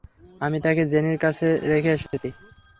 আমি তাকে জেনির কাছে রেখে এসেছি।